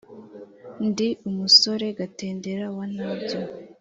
Ndi umusore Gatendera wa ntabyo,